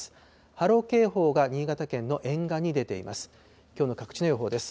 波浪警報が新潟県の沿岸に出ています。